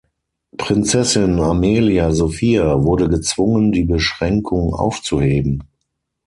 Prinzessin Amelia Sophia wurde gezwungen die Beschränkung aufzuheben.